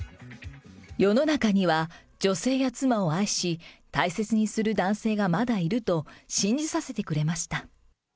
世の中には女性や妻を愛し、大切にする男性がまだいると信じさせてくれました。